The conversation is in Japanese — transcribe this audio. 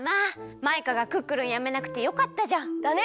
マイカがクックルンやめなくてよかったじゃん。だね！